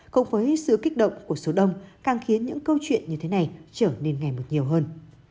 cộng với sự kích động của số đông càng khiến những câu chuyện như thế này trở nên ngày một nhiều hơn